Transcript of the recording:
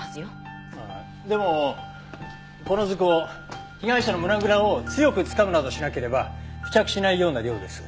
ああでもこの塗香被害者の胸ぐらを強くつかむなどしなければ付着しないような量です。